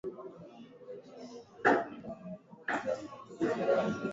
ati tayari maandalizi yaliendelea miaka minne nyuma